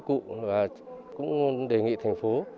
cũng đề nghị thành phố